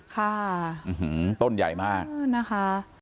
ค่ะอื้อหือต้นใหญ่มากนะคะ